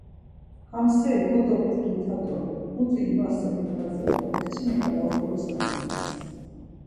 Ham seri kodobdgita do mutu ivasen ivas ya do kçini ǩala oxoris kamaxtes.